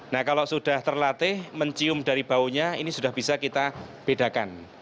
nah kalau sudah terlatih mencium dari baunya ini sudah bisa kita bedakan